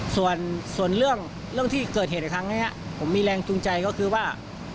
ส่วนเรื่องที่เกิดเหตุในครั้งนี้ผมมีแรงจูงใจก็คือว่า